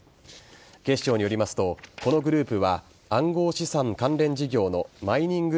警視庁によりますとこのグループは暗号資産関連事業のマイニング